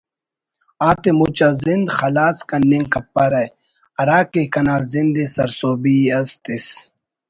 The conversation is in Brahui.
آتے مچا زند خلاس کننگ کپرہ ہرا کے کنا زند ئے سرسوبی ئس تس